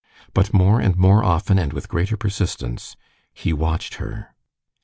But more and more often, and with greater persistence, he watched her.